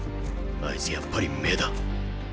あいつやっぱり目だ。